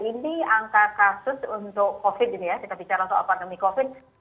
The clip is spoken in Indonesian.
ini angka kasus untuk covid ini ya kita bicara untuk pandemi covid